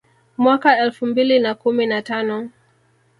Mwaka elfu mbili na kumi na tano